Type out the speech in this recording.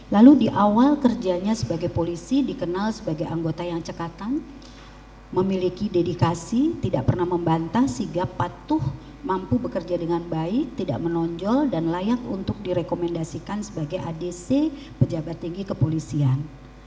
lalu di awal kerjanya sebagai polisi dikenal sebagai anggota yang cekatan memiliki dedikasi tidak pernah membantah sehingga patuh mampu bekerja dengan baik tidak menonjol dan layak untuk direkomendasikan sebagai adc pejabat tinggi kepolisian